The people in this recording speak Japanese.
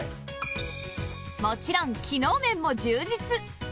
もちろん機能面も充実！